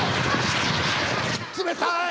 冷たい！